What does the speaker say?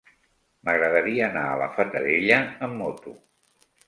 M'agradaria anar a la Fatarella amb moto.